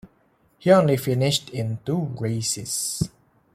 He only finished in two races.